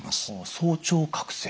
早朝覚醒。